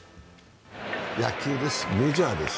野球です、メジャーです。